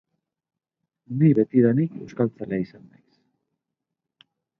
Ni betidanik euskaltzalea izan naiz.